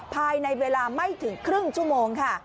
ภายในเวลาไม่ถึงครึ่งชั่วโมงค่ะ